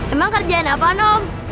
emang kerjaan apaan om